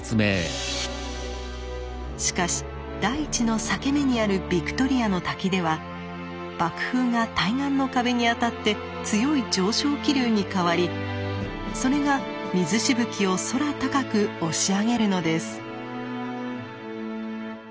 しかし大地の裂け目にあるビクトリアの滝では瀑風が対岸の壁に当たって強い上昇気流に変わりそれが水しぶきを空高く押し上げるのです。